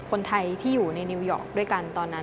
คนไทยที่อยู่ในนิวยอร์กด้วยกันตอนนั้น